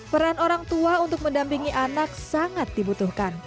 peran orang tua untuk mendampingi anak sangat dibutuhkan